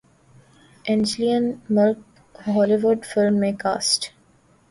Angeline Malik Hollywood film میں cost